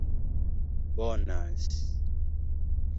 bonas